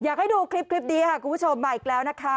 อยากให้ดูคลิปนี้ค่ะคุณผู้ชมมาอีกแล้วนะคะ